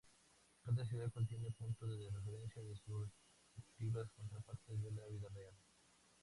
Cada ciudad contiene puntos de referencia de sus respectivas contrapartes de la vida real.